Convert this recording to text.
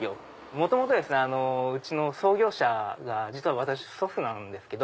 元々うちの創業者が実は私の祖父なんですけど。